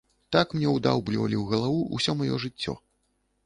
Так мне ўдаўблівалі ў галаву ўсё маё жыццё.